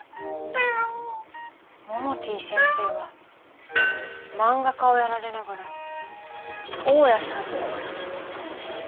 モモティ先生は漫画家をやられながら大家さんでもあられるのですね。